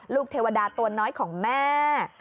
เทวดาตัวน้อยของแม่